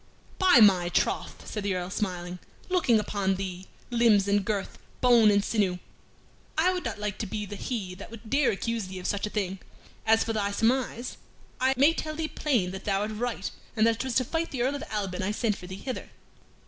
"By my troth!" said the Earl, smiling, "looking upon thee limbs and girth, bone and sinew I would not like to be the he that would dare accuse thee of such a thing. As for thy surmise, I may tell thee plain that thou art right, and that it was to fight the Earl of Alban I sent for thee hither.